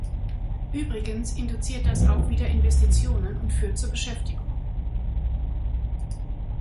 Übrigens induziert das auch wieder Investitionen und führt zu Beschäftigung.